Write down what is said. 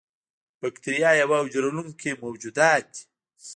بکتیریا یوه حجره لرونکي موجودات دي.